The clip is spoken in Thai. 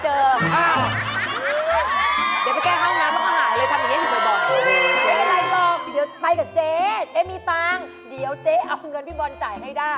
เจ๊อะไรล่ะไปกับเจ๊เจ๊มีตังค์เจ๊เอาเงินพี่บอลจ่ายให้ได้